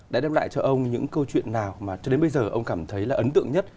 đã đem lại cho ông những câu chuyện nào mà cho đến bây giờ ông cảm thấy là ấn tượng nhất